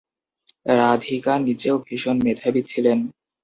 রাধিকা নিজেও ভীষণ মেধাবী ছিলেন।